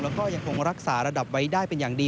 แล้วก็ยังคงรักษาระดับไว้ได้เป็นอย่างดี